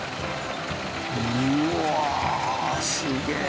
うわすげえ！